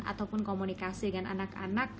ataupun komunikasi dengan anak anak